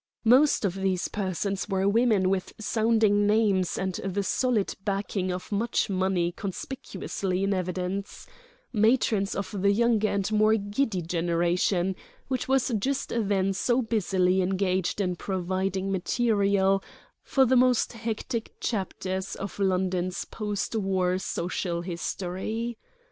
Most of these persons were women with sounding names and the solid backing of much money conspicuously in evidence—matrons of the younger and more giddy generation which was just then so busily engaged in providing material for the most hectic chapters of London's post war social history.